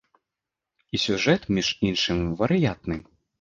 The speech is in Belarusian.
І сюжэт, між іншым, варыянтны.